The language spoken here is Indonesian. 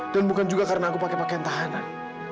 dan bukan juga karena aku pake pake yang tahanan